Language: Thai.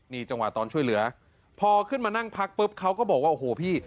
นี่จังหวะตอนช่วยเหลือพอขึ้นมานั่งพักปุ๊บเขาก็บอกว่าโอ้โหพี่